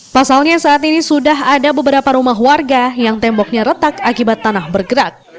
pasalnya saat ini sudah ada beberapa rumah warga yang temboknya retak akibat tanah bergerak